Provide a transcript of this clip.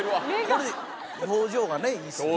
これ表情がいいですね。